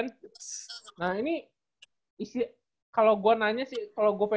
nah ini isi kalo gua nanya sih kalo gua pengen tanya sih lu emang yakin pas lagi gua pengen nekunin basket tuh kapan sebenernya der